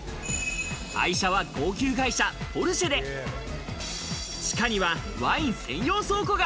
愛車は高級外車ポルシェで、地下にはワイン専用倉庫が。